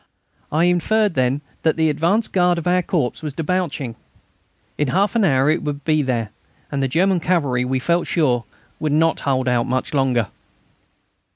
I inferred then that the advance guard of our corps was debouching. In half an hour it would be there, and the German cavalry, we felt sure, would not hold out much longer.